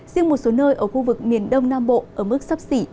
riêng một số nơi ở khu vực miền đông nam bộ ở mức sắp xỉ ba mươi ba độ